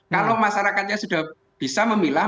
kalau masyarakatnya sudah bisa memilah